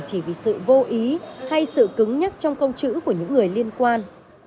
chỉ vì sự vô ý hay sự cứng nhắc trong câu chữ của những người liên quan